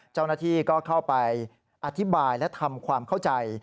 เจ้าหน้าที่ก็เข้าไปอธิบายและทำความเข้าใจ